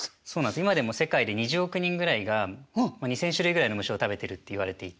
今でも世界で２０億人ぐらいが２，０００種類ぐらいの虫を食べてるっていわれていて。